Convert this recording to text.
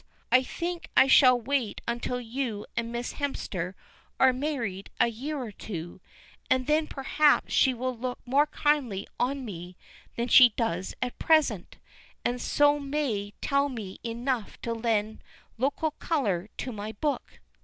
I think I shall wait until you and Miss Hemster are married a year or two, and then perhaps she will look more kindly on me than she does at present, and so may tell me enough to lend local colour to my book."